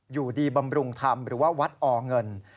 อยู่ดีบำรุงธรรมหรือว่าวัดอเงิน